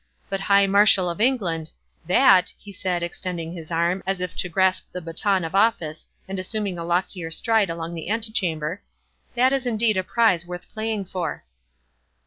But High Marshal of England! that," he said, extending his arm, as if to grasp the baton of office, and assuming a loftier stride along the antechamber, "that is indeed a prize worth playing for!"